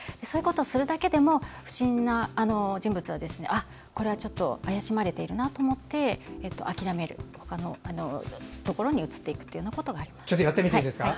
そういうことをするだけでも不審な人物は、これはちょっと怪しまれているなと思って諦めるほかのところに移っていくということがあります。